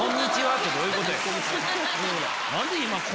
ってどういうことや。